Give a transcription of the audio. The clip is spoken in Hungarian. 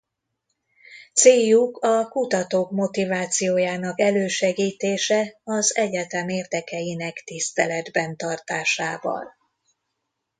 Céljuk a kutatók motivációjának elősegítése az egyetem érdekeinek tiszteletben tartásával.